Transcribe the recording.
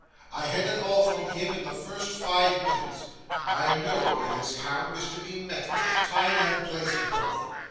I had it all from him in the first five minutes. I know where this hound is to be met with; time and place both.